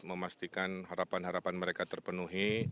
memastikan harapan harapan mereka terpenuhi